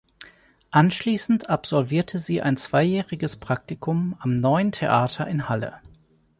Anschließend absolvierte sie ein zweijähriges Praktikum am "Neuen Theater" in Halle.